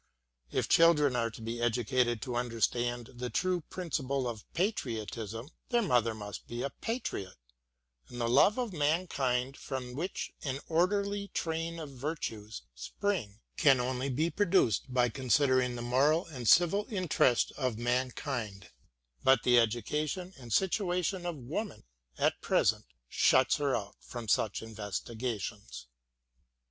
If children are to be educated to understand the true principle of patriotism, their mother must be a patriot, and the love of mankind from which an orderly train of virtues Spring can only be produced by considering the moral and civil interest of mankind : but the education and situation of woman at present shuts her out from such investigations.